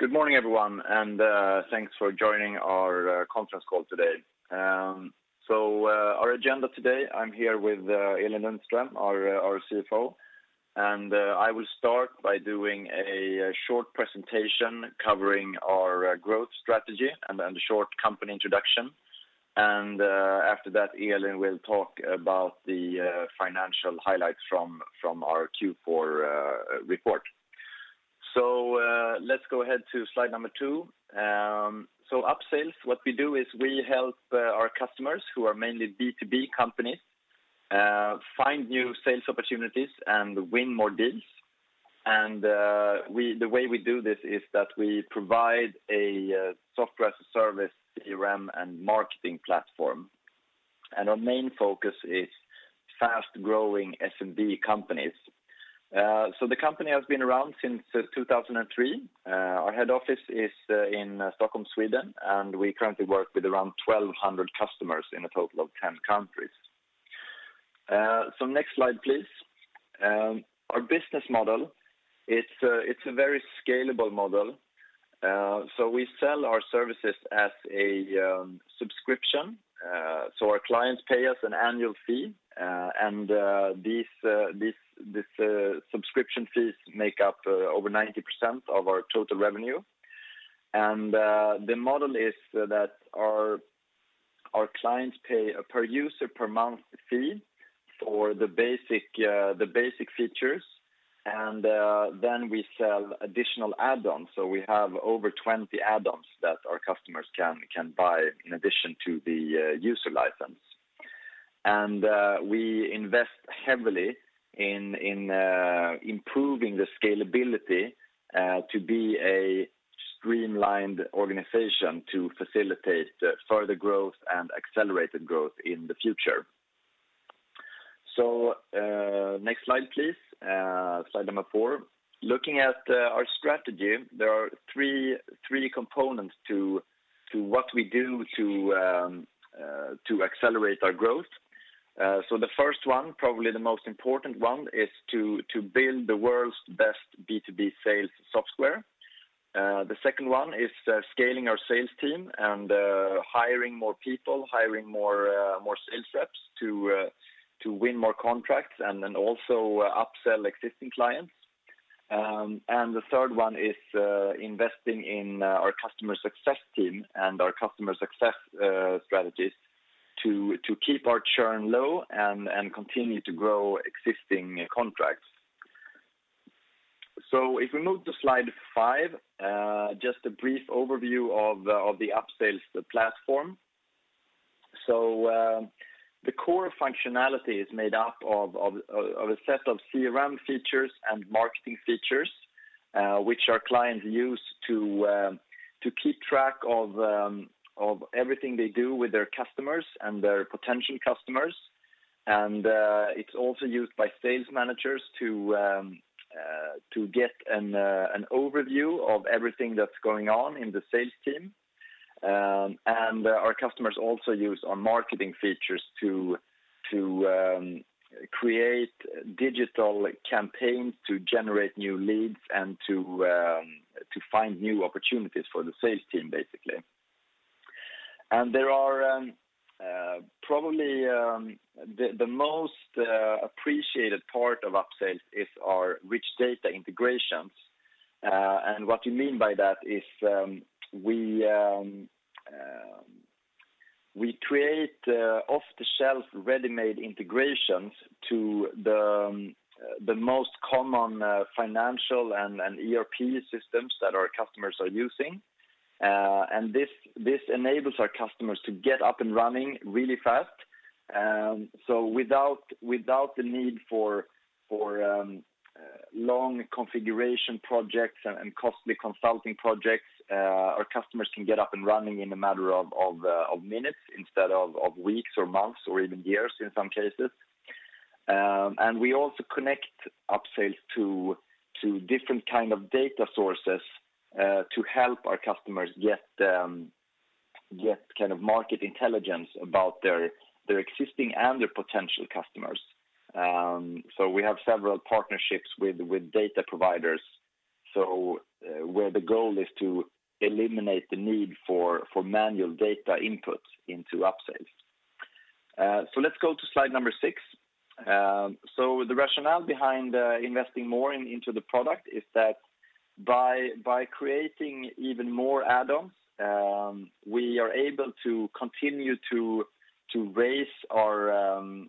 Good morning, everyone, and thanks for joining our conference call today. Our agenda today, I'm here with Elin Lundström, our CFO, and I will start by doing a short presentation covering our growth strategy and a short company introduction. After that, Elin will talk about the financial highlights from our Q4 report. Let's go ahead to slide number two. Upsales, what we do is we help our customers, who are mainly B2B companies, find new sales opportunities and win more deals. The way we do this is that we provide a software as a service, CRM, and marketing platform. Our main focus is fast-growing SMB companies. The company has been around since 2003. Our head office is in Stockholm, Sweden, and we currently work with around 1,200 customers in a total of 10 countries. Next slide, please. Our business model, it's a very scalable model. We sell our services as a subscription. Our clients pay us an annual fee, and these subscription fees make up over 90% of our total revenue. The model is that our clients pay a per user per month fee for the basic features. We sell additional add-ons. We have over 20 add-ons that our customers can buy in addition to the user license. We invest heavily in improving the scalability to be a streamlined organization to facilitate further growth and accelerated growth in the future. Next slide, please. Slide number four. Looking at our strategy, there are three components to what we do to accelerate our growth. The first one, probably the most important one, is to build the world's best B2B sales software. The second one is scaling our sales team and hiring more people, hiring more sales reps to win more contracts, and then also upsell existing clients. The third one is investing in our customer success team and our customer success strategies to keep our churn low and continue to grow existing contracts. If we move to slide five, just a brief overview of the Upsales platform. The core functionality is made up of a set of CRM features and marketing features, which our clients use to keep track of everything they do with their customers and their potential customers. It's also used by sales managers to get an overview of everything that's going on in the sales team. Our customers also use our marketing features to create digital campaigns, to generate new leads, and to find new opportunities for the sales team, basically. Probably the most appreciated part of Upsales is our rich data integrations. What we mean by that is we create off-the-shelf, ready-made integrations to the most common financial and ERP systems that our customers are using. This enables our customers to get up and running really fast. Without the need for long configuration projects and costly consulting projects, our customers can get up and running in a matter of minutes instead of weeks or months or even years in some cases. We also connect Upsales to different kind of data sources to help our customers get kind of market intelligence about their existing and their potential customers. We have several partnerships with data providers, where the goal is to eliminate the need for manual data input into Upsales. Let's go to slide number six. The rationale behind investing more into the product is that by creating even more add-ons, we are able to continue to raise our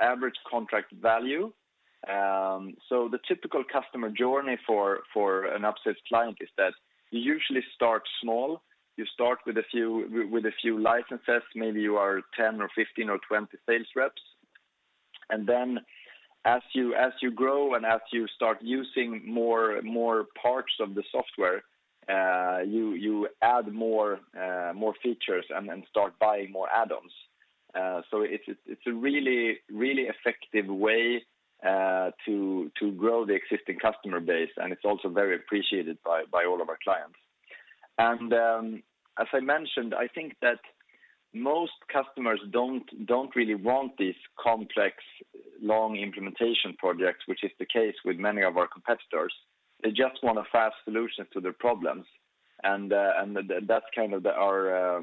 average contract value. The typical customer journey for an Upsales client is that you usually start small. You start with a few licenses. Maybe you are 10 or 15 or 20 sales reps. Then as you grow and as you start using more parts of the software, you add more features and start buying more add-ons. It's a really effective way to grow the existing customer base, and it's also very appreciated by all of our clients. As I mentioned, I think that most customers don't really want these complex, long implementation projects, which is the case with many of our competitors. They just want a fast solution to their problems. That's kind of our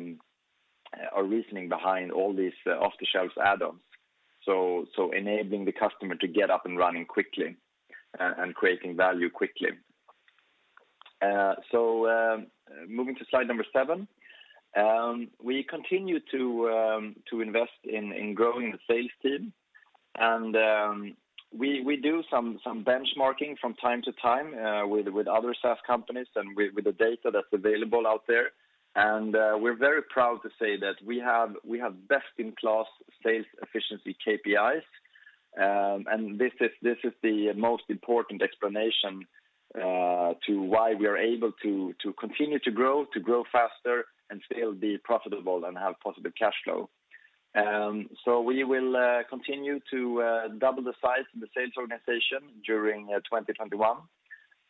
reasoning behind all these off-the-shelf add-ons. Enabling the customer to get up and running quickly and creating value quickly. Moving to slide number seven. We continue to invest in growing the sales team. We do some benchmarking from time to time with other SaaS companies and with the data that's available out there. We're very proud to say that we have best-in-class sales efficiency KPIs. This is the most important explanation to why we are able to continue to grow, to grow faster, and still be profitable and have positive cash flow. We will continue to double the size of the sales organization during 2021.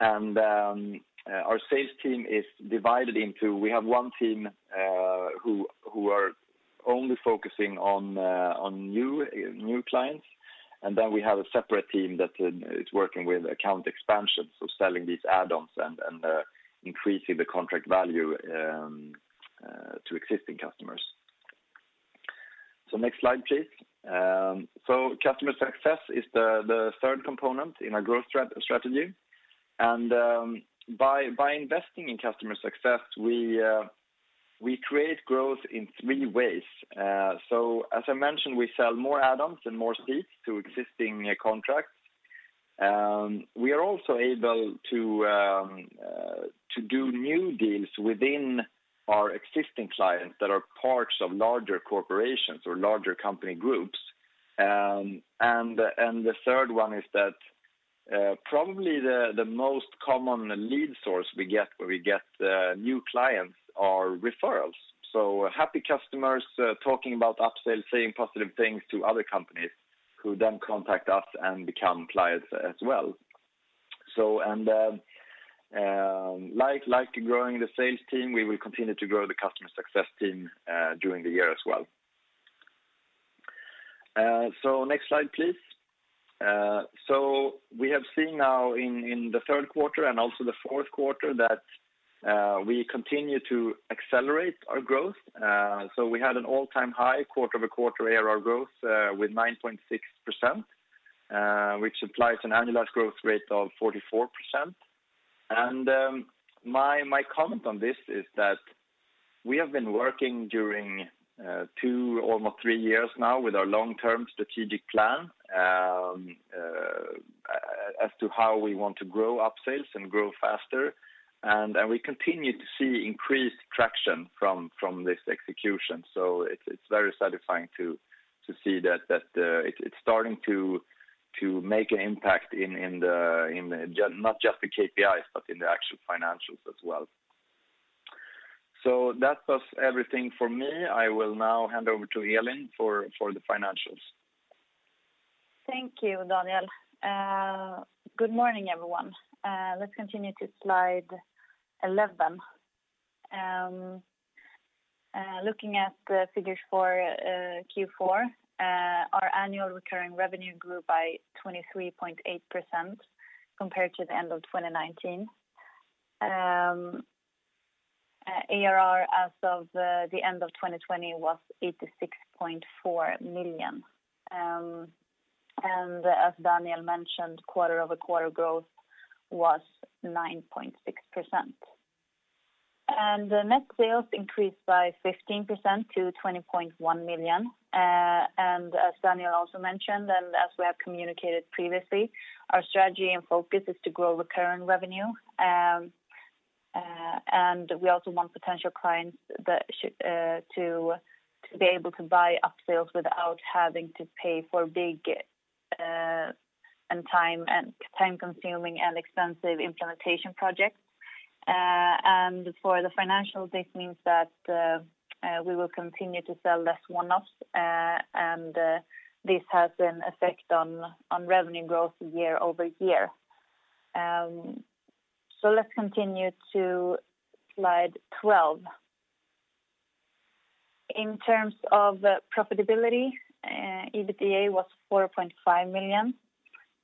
Our sales team is divided into, we have one team who are only focusing on new clients, and then we have a separate team that is working with account expansions, so selling these add-ons and increasing the contract value to existing customers. Next slide, please. Customer success is the third component in our growth strategy. By investing in customer success, we create growth in three ways. As I mentioned, we sell more add-ons and more seats to existing contracts. We are also able to do new deals within our existing clients that are parts of larger corporations or larger company groups. The third one is that probably the most common lead source we get where we get new clients are referrals. Happy customers talking about Upsales, saying positive things to other companies, who then contact us and become clients as well. Like growing the sales team, we will continue to grow the customer success team during the year as well. Next slide, please. We have seen now in the third quarter and also the fourth quarter that we continue to accelerate our growth. We had an all-time high quarter-over-quarter ARR growth with 9.6%, which applies an annualized growth rate of 44%. My comment on this is that we have been working during two, almost three years now with our long-term strategic plan as to how we want to grow Upsales and grow faster. We continue to see increased traction from this execution. It's very satisfying to see that it's starting to make an impact in, not just the KPIs, but in the actual financials as well. That was everything from me. I will now hand over to Elin for the financials. Thank you, Daniel. Good morning, everyone. Let's continue to slide 11. Looking at the figures for Q4, our annual recurring revenue grew by 23.8% compared to the end of 2019. ARR as of the end of 2020 was 86.4 million. As Daniel mentioned, quarter-over-quarter growth was 9.6%. Net sales increased by 15% to 20.1 million. As Daniel also mentioned, and as we have communicated previously, our strategy and focus is to grow recurring revenue. We also want potential clients to be able to buy Upsales without having to pay for big and time-consuming and expensive implementation projects. For the financials, this means that we will continue to sell less one-offs, and this has an effect on revenue growth year-over-year. Let's continue to slide 12. In terms of profitability, EBITDA was 4.5 million,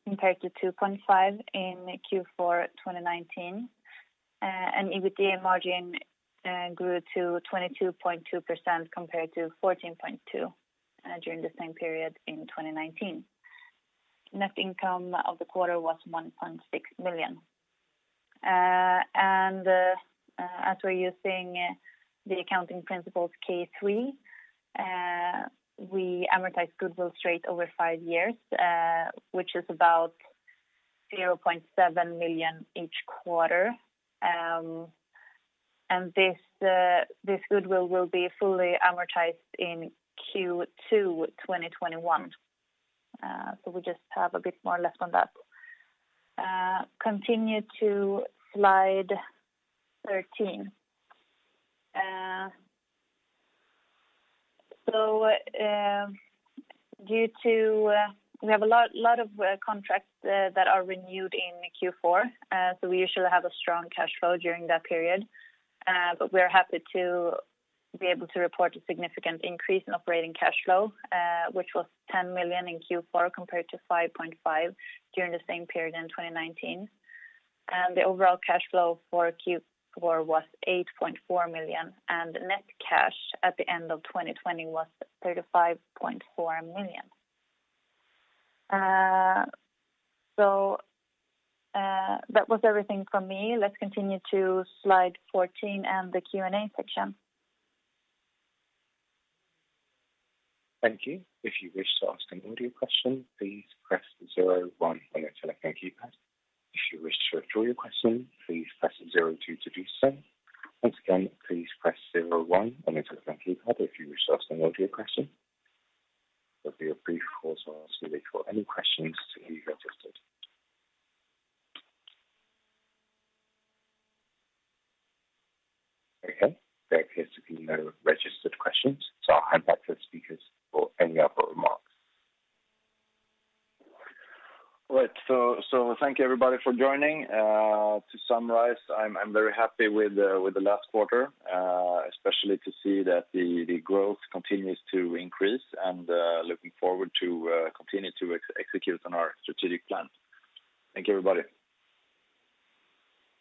compared to 2.5 million in Q4 2019. EBITDA margin grew to 22.2% compared to 14.2% during the same period in 2019. Net income of the quarter was 1.6 million. As we're using the accounting principles K3, we amortize goodwill straight over five years, which is about 0.7 million each quarter. This goodwill will be fully amortized in Q2 2021. We just have a bit more left on that. Continue to slide 13. We have a lot of contracts that are renewed in Q4, so we usually have a strong cash flow during that period. We're happy to be able to report a significant increase in operating cash flow, which was 10 million in Q4 compared to 5.5 million during the same period in 2019. The overall cash flow for Q4 was 8.4 million, and net cash at the end of 2020 was 35.4 million. That was everything from me. Let's continue to slide 14 and the Q&A section. Thank you. If you wish to ask an audio question, please press zero one on your telephone keypad. If you wish to withdraw your question,